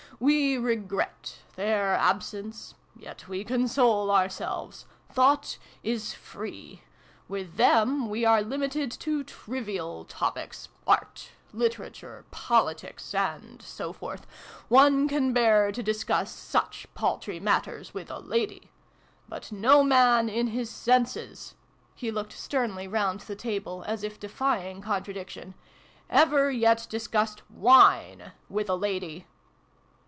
We regret their absence. Yet we console ourselves. Thought is free. With them, we are limited to trivial topics Art, Literature, Politics, and so forth. One can bear to discuss such paltry matters with a lady. But no man, in his senses " (he looked sternly round the table, as if defying contradiction) " ever yet discussed WINE with a lady